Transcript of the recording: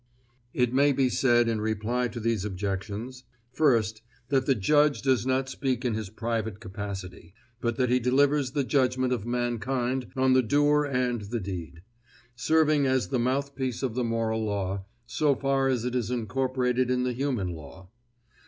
It may be said in reply to these objections: First, that the judge does not speak in his private capacity, but that he delivers the judgment of mankind on the doer and the deed, serving as the mouthpiece of the moral law, so far as it is incorporated in the human law.